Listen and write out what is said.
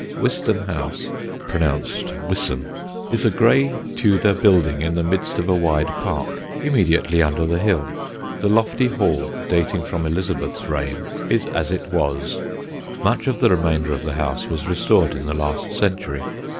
Wiston House (pronounced Wisson) is a grey Tudor building in the midst of a wide park, immediately under the hill. The lofty hall, dating from Elizabeth's reign, is as it was; much of the remainder of the house was restored in the last century.